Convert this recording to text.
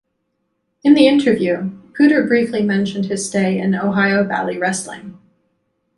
In the interview, Puder briefly mentioned his stay in Ohio Valley Wrestling.